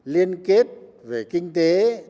liên kết về kinh tế